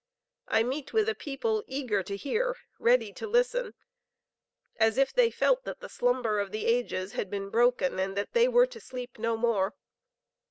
I meet with a people eager to hear, ready to listen, as if they felt that the slumber of the ages had been broken, and that they were to sleep no more....